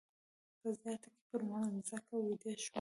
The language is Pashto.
په زیارت کې پر مځکه ویده شوم.